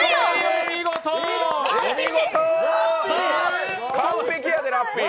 お見事、完璧やで、ラッピー。